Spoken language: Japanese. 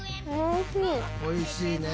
おいしいね。